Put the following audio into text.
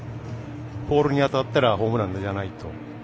ポールに当たったらホームランじゃないと。